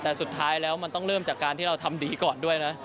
แต่สุดท้ายแล้วมันต้องเริ่มจากการที่เราทำดีก่อนด้วยนะ